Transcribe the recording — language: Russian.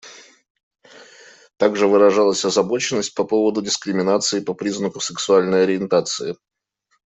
Также выражалась озабоченность по поводу дискриминации по признаку сексуальной ориентации.